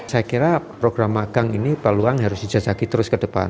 saya kira program magang ini peluang yang harus dijajaki terus ke depan